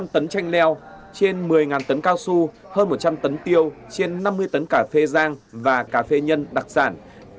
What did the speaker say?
một trăm linh tấn chanh leo trên một mươi tấn cao su hơn một trăm linh tấn tiêu trên năm mươi tấn cà phê giang và cà phê nhân đặc sản